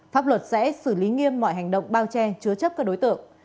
pháp luật sẽ xử lý nghiêm mọi hành động bao che chứa chấp các đối tượng